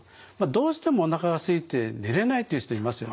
どうしてもおなかがすいて寝れないっていう人いますよね。